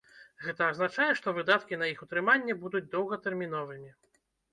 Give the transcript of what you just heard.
Гэта азначае, што выдаткі на іх утрыманне будуць доўгатэрміновымі.